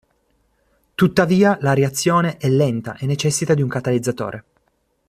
Tuttavia la reazione è lenta e necessita di un catalizzatore.